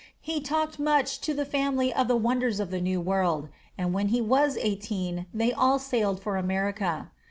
He talked much to the family of the wonders of the New World; and when he was eighteen, they all sailed for America.